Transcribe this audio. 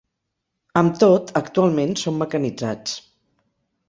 Amb tot, actualment, són mecanitzats.